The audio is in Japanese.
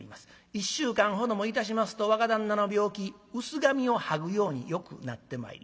１週間ほどもいたしますと若旦那の病気薄紙を剥ぐようによくなってまいります。